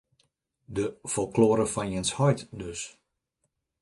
De ‘folklore fan jins heit’, dus.